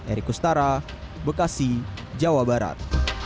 erik ustara bekasi jawa barat